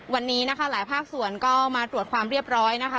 วันนี้นะคะหลายภาคส่วนก็มาตรวจความเรียบร้อยนะคะ